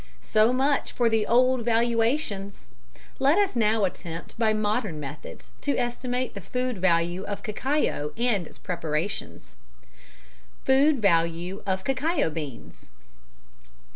So much for the old valuations; let us now attempt by modern methods to estimate the food value of cacao and its preparations. _Food Value of Cacao Beans.